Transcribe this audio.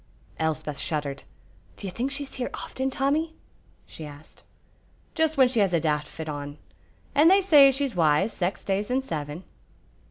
Elspeth shuddered. "Do you think she's here often, Tommy?" she asked. "Just when she has a daft fit on, and they say she's wise sax days in seven."